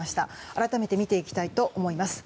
改めて見ていきたいと思います。